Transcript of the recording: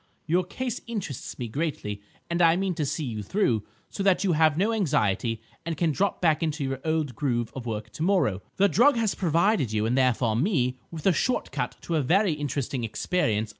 Your case interests me greatly, and I mean to see you through, so that you have no anxiety, and can drop back into your old groove of work tomorrow! The drug has provided you, and therefore me, with a shortcut to a very interesting experience.